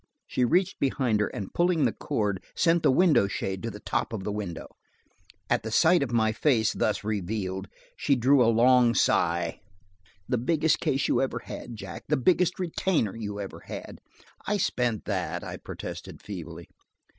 She reached behind her and pulling the cord, sent the window shade to the top of the window. At the sight of my face thus revealed, she drew a long sigh. "The biggest case you ever had, Jack! The biggest retainer you ever had–" "I've spent that," I protested feebly.